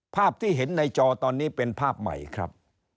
ภาพที่เห็นในจอตอนนี้เป็นภาพใหม่ครับ